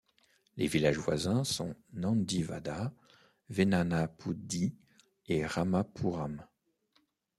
Les villages voisins sont Nandivada, Vennanapudi et Ramapuram.